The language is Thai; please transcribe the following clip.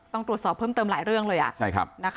ต้องตรวจสอบเพิ่มเติมหลายเรื่องเลย